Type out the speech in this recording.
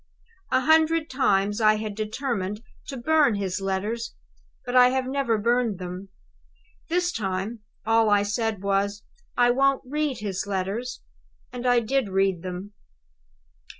"A hundred times I had determined to burn his letters; but I have never burned them. This, time, all I said was, 'I won't read his letters!' And I did read them.